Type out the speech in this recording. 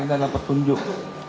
ini adalah petunjuk